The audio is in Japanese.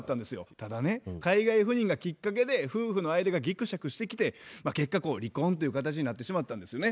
ただね海外赴任がきっかけで夫婦の間がぎくしゃくしてきて結果離婚という形になってしまったんですよね。